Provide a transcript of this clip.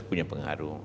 itu punya pengaruh